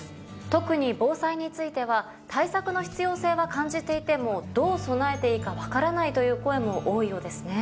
特に防災については対策の必要性は感じていても「どう備えていいか分からない」という声も多いようですね。